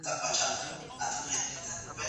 موټر چلونکی د سوارلۍ په تمه خپل تلیفون ته ګوري.